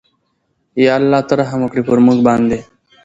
ېاالله ته رحم وکړې پرموګ باندې